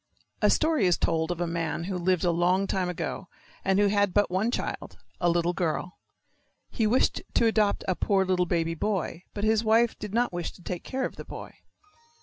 A story is told of a man who lived a long time ago, and who had but one child, a little girl. He wished to adopt a poor little baby boy, but his wife did not wish to take care of the boy.